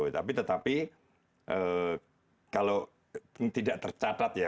tapi tetapi kalau tidak tercatat ya